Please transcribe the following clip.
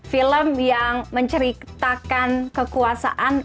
film yang menceritakan kekuasaan